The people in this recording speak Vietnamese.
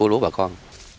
lúa bà con